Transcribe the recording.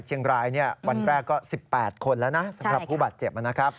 เชียงรายวันแรกก็๑๘คนแล้วนะสำหรับผู้บาดเจ็บนะครับ